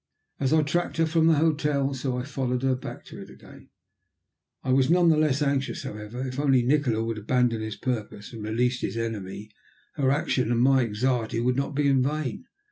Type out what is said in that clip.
As I tracked her from the hotel, so I followed her back to it again. I was none the less anxious, however. If only Nikola would abandon his purpose, and release his enemy, her action and my anxiety would not be in vain.